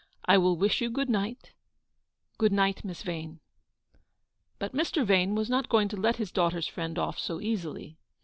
I will wish you good night ; good night, Miss Vane."' But Mr. Yane was not going to let his daughter s friend off so easily.